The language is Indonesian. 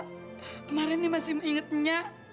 kemarin dia masih mengingat nya